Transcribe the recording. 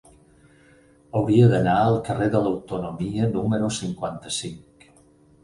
Hauria d'anar al carrer de l'Autonomia número cinquanta-cinc.